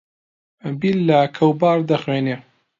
بیللا کەوباڕ دەخوێنێ